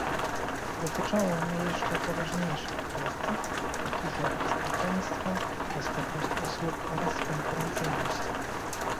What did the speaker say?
Dotyczą one jeszcze poważniejszych kwestii, takich jak bezpieczeństwo, dostępność usług oraz konkurencyjność